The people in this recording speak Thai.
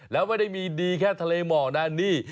แล้วไม่ได้มีดีแค่ทะเลหมอกนะนี่